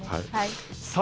さあ